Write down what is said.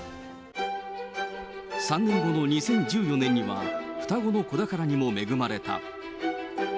３年後の２０１４年には、双子の子宝にも恵まれた。